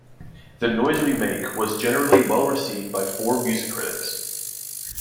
"The Noise We Make" was generally well received by four music critics.